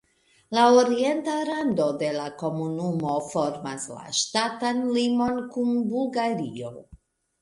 La orienta rando de la komunumo formas la ŝtatan limon kun Bulgario.